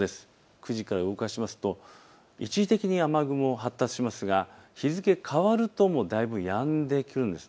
９時から動かしますと一時的に雨雲が発達しますが、日付が変わるともうだいぶやんでくるんです。